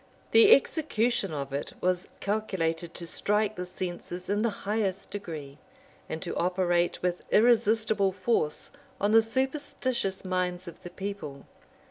The execution of it was calculated to strike the senses in the highest degree, and to operate with irresistible force on the superstitious minds of the people.